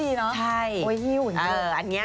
ก็ร้อนไงก็เลยเอาแบบนี้ดีเนอะ